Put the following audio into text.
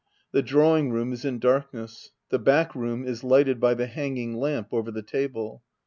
The drawing room is in darkness. The back room is lighted by the hanging lamp over the table.